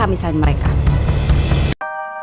jadi mereka sudah berusaha